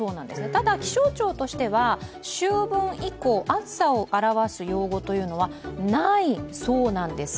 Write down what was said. ただ、気象庁としては秋分以降、暑さを表す用語はないそうなんです。